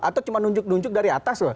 atau cuma nunjuk nunjuk dari atas loh